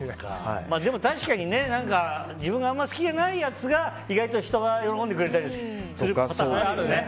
でも確かに、自分があんまり好きじゃないやつが意外と、人が喜んでくれたりすることってあるよね。